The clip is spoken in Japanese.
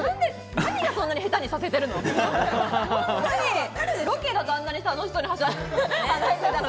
何がそんなに下手にさせているの？